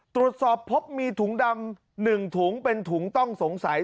ตรวจสอบพบมีถุงดำ๑ถุงเป็นถุงต้องสงสัย